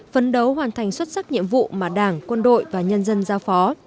phấn đấu hoàn thành xuất sắc nhiệm vụ mà đảng quân đội và nhân dân giao phó